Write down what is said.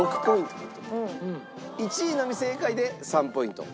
１位のみ正解で３ポイント。